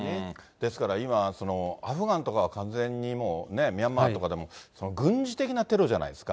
ですから今、アフガンとかは完全にもうミャンマーとかでも、軍事的なテロじゃないですか。